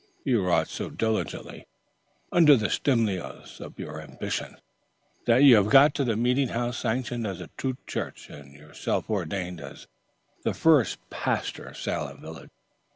You wrought so diligently, under the stimulus of your ambition, that you have got the meeting house sanctioned as a true church and yourself ordained as the first pastor of Salem Village.